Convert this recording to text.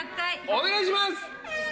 お願いします。